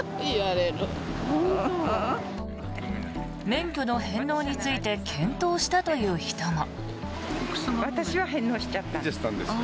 免許の返納について検討したという人も。